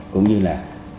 cũng như là